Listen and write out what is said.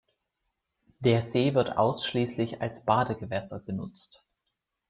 Der See wird ausschließlich als Badegewässer genutzt.